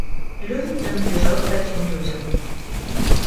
Левин принадлежал к таким людям.